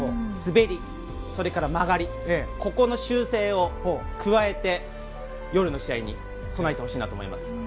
滑り、それから曲がりここの修正を加えて夜の試合に備えてほしいなと思います。